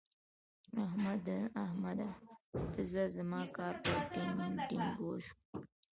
احمده! ته ځه؛ زما کار په ډينګ ډينګو شو.